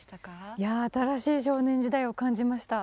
いや新しい「少年時代」を感じました。